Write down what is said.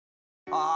あ！